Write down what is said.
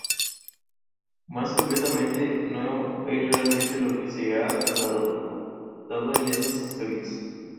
Más concretamente, no es realmente de lo que se han tratado estas historias.